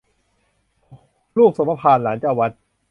ลูกสมภารหลานเจ้าวัด